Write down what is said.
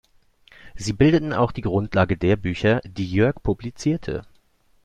Sie bildeten auch die Grundlage der Bücher, die Jörg publizierte.